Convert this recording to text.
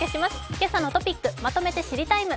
「けさのトピックまとめて知りＴＩＭＥ，」。